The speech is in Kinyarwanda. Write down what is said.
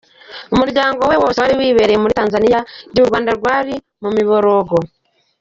Umuryango we wose wari wibereye muri Tanzania igihe u Rwanda rwari mu miborogo.